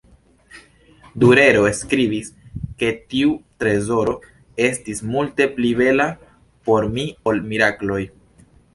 Durero skribis, ke tiu trezoro "estis multe pli bela por mi ol mirakloj.